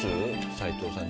斉藤さん